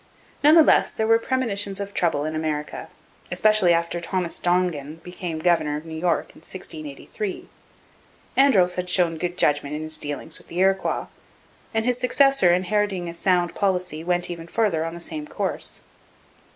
None the less, there were premonitions of trouble in America, especially after Thomas Dongan became governor of New York in 1683. Andros had shown good judgment in his dealings with the Iroquois, and his successor, inheriting a sound policy, went even further on the same course.